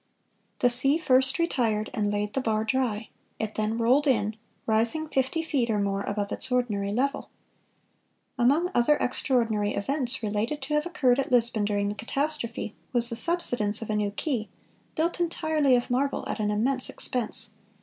The sea first retired, and laid the bar dry; it then rolled in, rising fifty feet or more above its ordinary level." "Among other extraordinary events related to have occurred at Lisbon during the catastrophe, was the subsidence of a new quay, built entirely of marble, at an immense expense.